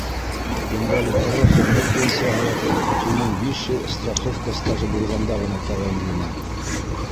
— Инвалидтарға хеҙмәт пенсияһы уның биш йыл страховка стажы булғанда ғына тәғәйенләнә.